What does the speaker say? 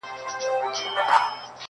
د خنجر عکس به يوسي -